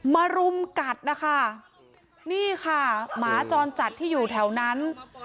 รุมกัดนะคะนี่ค่ะหมาจรจัดที่อยู่แถวนั้น